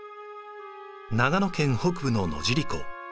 長野県北部の野尻湖。